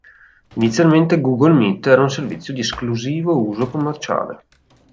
Inizialmente Google Meet era un servizio di esclusivo uso commerciale.